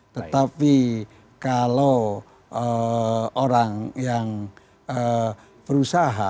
tetapi kalau orang yang berusaha